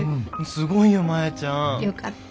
すごいよマヤちゃん。よかった。